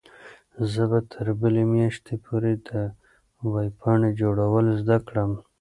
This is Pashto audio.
زه به تر بلې میاشتې پورې د ویبپاڼې جوړول زده کړم.